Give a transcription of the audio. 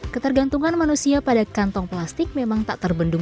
ketergantungan manusia pada kantong plastik memang tak terbendung